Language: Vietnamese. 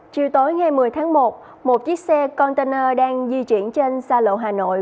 chiều tối ngày một mươi tháng một một chiếc xe container đang di chuyển trên xa lộ hà nội